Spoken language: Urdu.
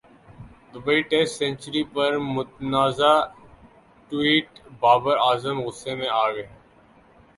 دبئی ٹیسٹ سنچری پر متنازع ٹوئٹ بابر اعظم غصہ میں اگئے